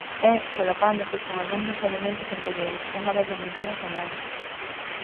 E, solapándose con algún dos elementos anteriores, unha vella montaña sagrada.